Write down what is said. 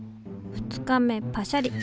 ２日目パシャリ。